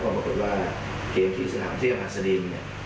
ปรากฏว่าเกมที่สนามเทพหัสดินเนี่ย